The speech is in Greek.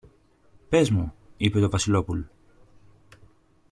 Πες μου, είπε το Βασιλόπουλ